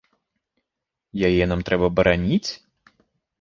Яе нам трэба бараніць?